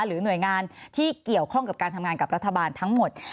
หรือหน่วยงานที่เกี่ยวข้องกับการทำงานกับรัฐบาลทั้งหมด